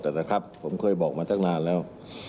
แต่ผมเคยบอกมาตั้งนานแล้ว